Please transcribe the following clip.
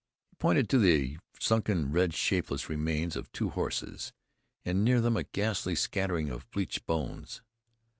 He pointed to the sunken, red, shapeless remain of two horses, and near them a ghastly scattering of bleached bones.